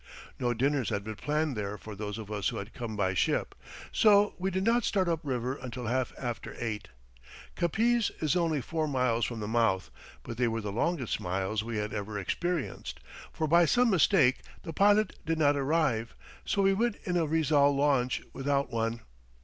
No dinners had been planned there for those of us who had come by ship, so we did not start up river until half after eight. Capiz is only four miles from the mouth, but they were the longest miles we had ever experienced, for by some mistake the pilot did not arrive, so we went in a Rizal launch without one.